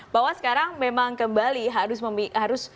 bahwa sekarang memang kembali harus